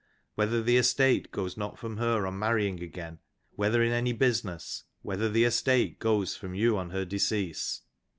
whether the estate goes not from her on " marrying again ? whether in any business ! whether the estate goes "from you on her decease?'"